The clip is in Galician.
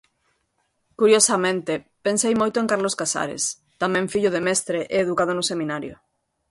Curiosamente, pensei moito en Carlos Casares, tamén fillo de mestre e educado no seminario.